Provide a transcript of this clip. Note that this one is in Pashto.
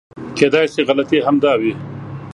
کېدای شي غلطي همدا وي .